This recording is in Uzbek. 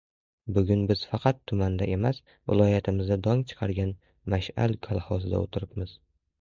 — Bugun biz faqat tumanda emas, viloyatimizda dong chiqargan «Mash’al» kolxozida o‘tiribmiz.